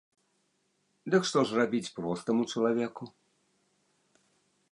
Дык што ж рабіць простаму чалавеку?